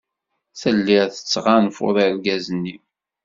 Tellid tettɣanfud argaz-nni.